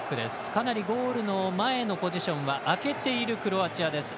かなりゴールの前のポジションは空けているクロアチアです。